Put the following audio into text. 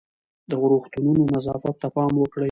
د روغتونونو نظافت ته پام وکړئ.